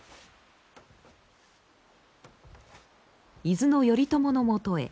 伊豆の頼朝のもとへ。